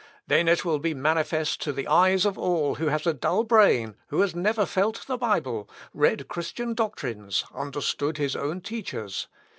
Then will it be manifest to the eyes of all who has a dull brain, who has never felt the Bible, read Christian doctrines, understood his own teachers....